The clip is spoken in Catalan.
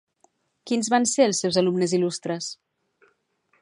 Quins van ser els seus alumnes il·lustres?